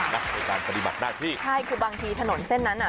ในการปฏิบัติหน้าที่ใช่คือบางทีถนนเส้นนั้นอ่ะ